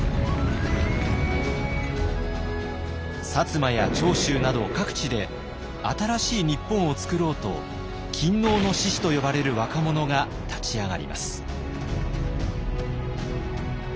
摩や長州など各地で新しい日本をつくろうと勤王の志士と呼ばれる若者が立ち上がります。